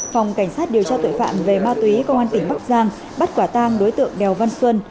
phòng cảnh sát điều tra tội phạm về ma túy công an tỉnh bắc giang bắt quả tang đối tượng đèo văn xuân